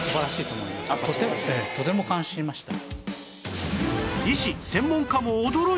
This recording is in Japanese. とても感心しました。